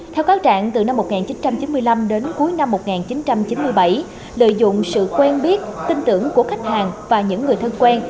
theo cáo trạng từ năm một nghìn chín trăm chín mươi năm đến cuối năm một nghìn chín trăm chín mươi bảy lợi dụng sự quen biết tin tưởng của khách hàng và những người thân quen